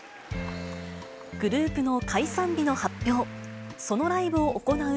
グループの解散日の発表。